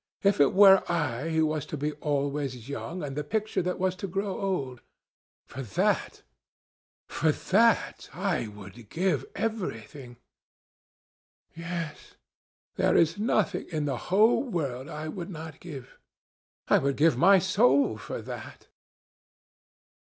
If it were I who was to be always young, and the picture that was to grow old! For that—for that—I would give everything! Yes, there is nothing in the whole world I would not give! I would give my soul for that!"